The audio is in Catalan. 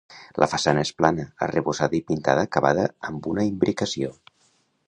La façana és plana, arrebossada i pintada acabada amb una imbricació.